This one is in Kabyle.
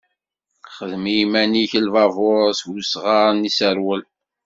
Xdem i yiman-ik lbabuṛ s wesɣar n iseṛwel.